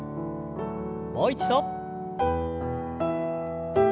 もう一度。